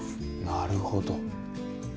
なるほど。